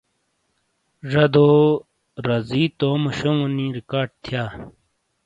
ڙَدو رَزی تومو شونگو نی ریکارڈ تِھیا۔